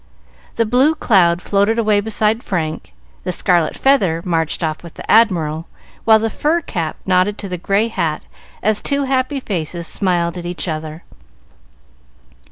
The blue cloud floated away beside Frank, the scarlet feather marched off with the Admiral, while the fur cap nodded to the gray hat as two happy faces smiled at each other.